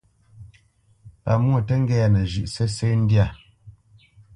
Pámwô tǝ́ ŋgɛ́nǝ zhʉ̌ʼ sǝ́sǝ̂ ndyâ.